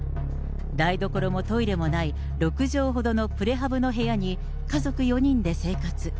台所もトイレもない、６畳ほどのプレハブの部屋に家族４人で生活。